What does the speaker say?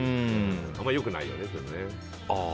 あんまり良くないよね。